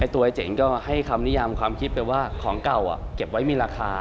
ไอ้เจ๋งก็ให้คำนิยามความคิดไปว่าของเก่าเก็บไว้มีราคา